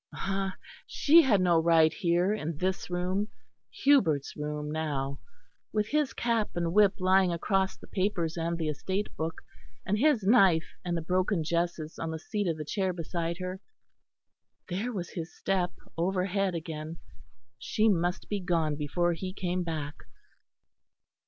Ah! she had no right here in this room Hubert's room now, with his cap and whip lying across the papers and the estate book, and his knife and the broken jesses on the seat of the chair beside her. There was his step overhead again. She must be gone before he came back.